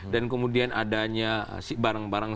kemudian adanya barang barang